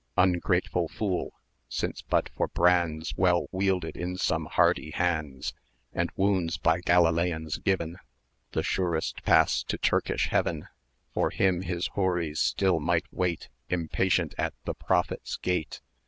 Ungrateful fool! since but for brands Well wielded in some hardy hands, And wounds by Galileans given The surest pass to Turkish heaven For him his Houris still might wait Impatient at the Prophet's gate.